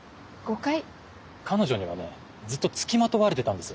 彼女にはねずっと付きまとわれてたんです。